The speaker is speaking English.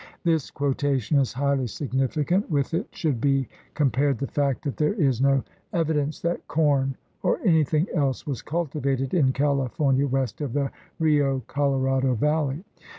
"' This quotation is highly significant. With it should be compared the fact that there is no evi dence that corn or anything else was cultivated in California west of the Rio Colorado Valley.